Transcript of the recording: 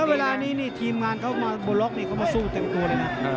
เวลานี้นี่ทีมงานเขามาโบล็อกนี่เขามาสู้เต็มตัวเลยนะ